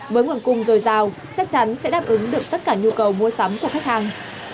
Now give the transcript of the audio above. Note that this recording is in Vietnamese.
với nguồn cung dồi dào chắc chắn sẽ đáp ứng được tất cả nhu cầu mua sắm của khách hàng